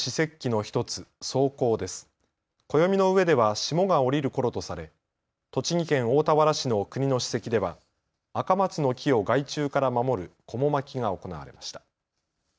暦の上では霜が降りるころとされ栃木県大田原市の国の史跡ではアカマツの木を害虫から守るこも巻きが行われました。